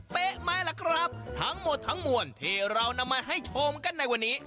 ไหมล่ะครับทั้งหมดทั้งมวลที่เรานำมาให้ชมกันในวันนี้